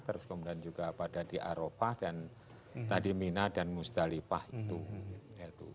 terus kemudian juga pada di aropa dan tadi mina dan musdalifah itu